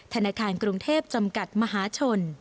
ธนาคารกรุงเทพจำกัดมหาชน